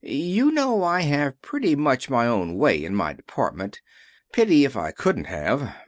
You know I have pretty much my own way in my department. Pity if I couldn't have.